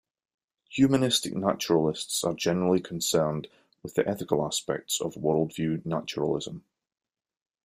Humanistic naturalists are generally concerned with the ethical aspects of worldview naturalism.